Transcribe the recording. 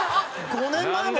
５年前も。